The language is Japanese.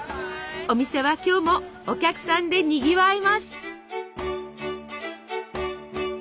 お店は今日もお客さんでにぎわいます。